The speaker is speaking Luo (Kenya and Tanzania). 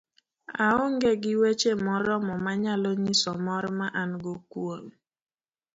aong'e gi weche moromo manyalo nyiso mor ma an go kuom